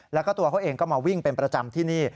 แล้วก็ตัวเขาเองก็มาวิ่งเป็นประจำที่นี่